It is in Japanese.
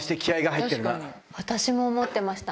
私も思ってました。